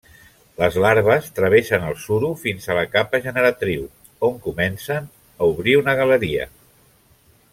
Les larves travessen el suro fins a la capa generatriu, on comencen obrir una galeria.